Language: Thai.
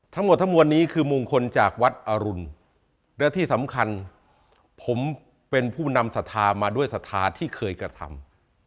ทั้งหมดทั้งมวลนี้คือมงคลจากวัดอรุณและที่สำคัญผมเป็นผู้นำศรัทธามาด้วยศรัทธาที่เคยกระทำ